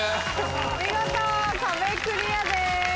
見事壁クリアです。